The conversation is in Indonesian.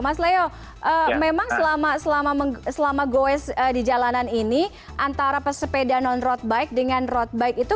mas leo memang selama goes di jalanan ini antara pesepeda non road bike dengan road bike itu